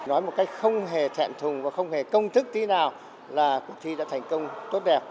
nói một cách không hề thiện thùng và không hề công thức tí nào là cuộc thi đã thành công tốt đẹp